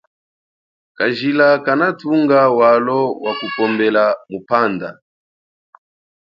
Kajila kanathunga walo waku pombela muphanda.